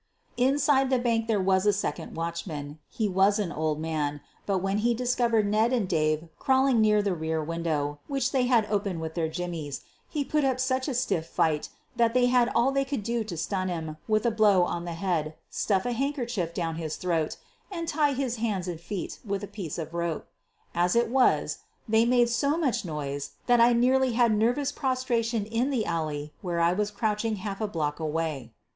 Inside the bank there was a second watchman. iHe was an old man, but when he discovered Ned and Dave crawling through the rear window, which they had opened with their jimmies, he put up such a stiff fight that they had all they could do to stua QUEEN OF THE BURGLARS 77 him with a blow on the head, stuff a handkerchief down his throat, and tie his hands and feet with a piece of rope. As it was, they made so much noise that I nearly had nervous prostration in the alley where I was crouching half a block away.